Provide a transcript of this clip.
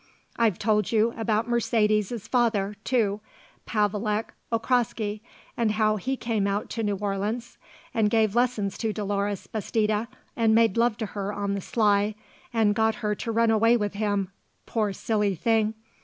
I've told you about Mercedes's father, too, Pavelek Okraski, and how he came out to New Orleans and gave lessons to Dolores Bastida and made love to her on the sly and got her to run away with him poor silly thing.